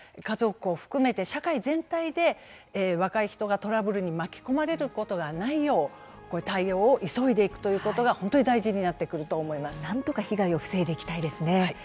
家族も含めて社会全体で若い人がトラブルに巻き込まれることがないよう対応を急いでいくということが本当に大事になってくるとなんとか被害を防いでいきたいですね。